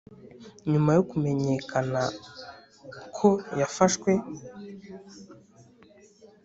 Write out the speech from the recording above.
nyuma yo kumenyako yafashwe,